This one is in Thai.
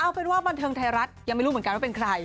เอาเป็นว่าบันเทิงไทยรัฐยังไม่รู้เหมือนกันว่าเป็นใคร